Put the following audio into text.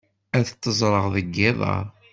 Ad tent-ẓreɣ deg yiḍ-a.